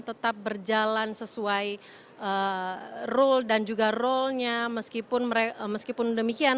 tetap berjalan sesuai role dan juga role nya meskipun demikian